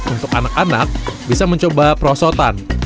untuk anak anak bisa mencoba perosotan